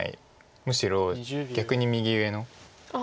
むしろ逆に右上の白。